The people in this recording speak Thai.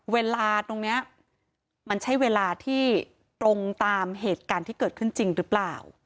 เวลาตรงนี้มันใช้เวลาที่ตรงตามเหตุการณ์ที่เกิดขึ้นจริงหรือเปล่า